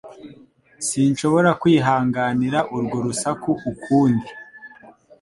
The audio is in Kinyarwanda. Sinshobora kwihanganira urwo rusaku ukundi.